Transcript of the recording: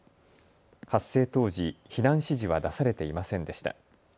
発生当時、避難指示は出されていませんでした。